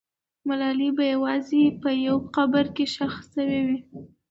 ملالۍ به یوازې په یو قبر کې ښخ سوې وي.